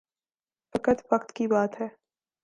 فقط وقت کی بات ہے۔